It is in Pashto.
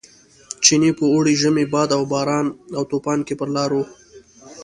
چیني په اوړي، ژمي، باد و باران او توپان کې پر لار و.